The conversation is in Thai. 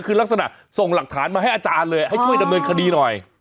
คือลักษณะส่งหลักฐานมาให้อาจารย์เลยให้ช่วยดำเนินคดีหน่อย